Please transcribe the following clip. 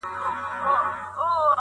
ته توپک را واخله ماته بم راکه،